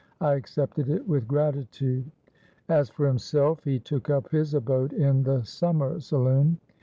I accepted it with gratitude. As for himself, he took up his abode in the summer saloon.